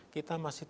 kita masih rp tujuh